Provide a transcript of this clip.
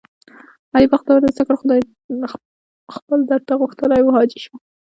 علي بختور دی سږ کال خدای خپل درته غوښتلی و. حاجي شو،